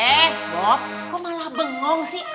eh blok kok malah bengong sih